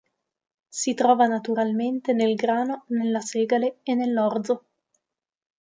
Si trova naturalmente nel grano, nella segale e nell'orzo.